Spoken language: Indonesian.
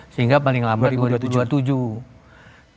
sehingga paling lama dua ribu dua puluh tujuh